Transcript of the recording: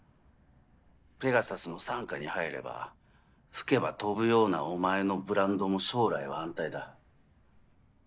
ペガサスの傘下に入れば吹けば飛ぶようなお前のブランドも将来は安泰だ。